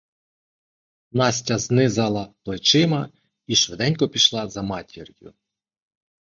Настя знизала плечима і швиденько пішла за матір'ю.